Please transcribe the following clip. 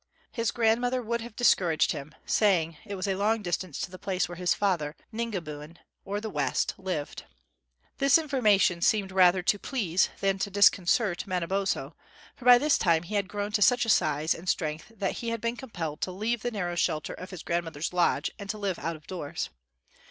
His grandmother would have discouraged him, saying it was a long distance to the place where his father, Ningabiun, or the West, lived. This information seemed rather to please than to disconcert Manabozho; for by this time he had grown to such a size and strength that he had been compelled to leave the narrow shelter of his grandmother's lodge and to live out of doors.